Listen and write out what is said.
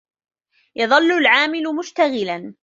يَظَلُّ الْعَامِلُ مُشْتَغِلًا.